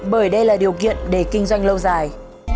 bởi đây là điều kiện để kinh doanh lâu dài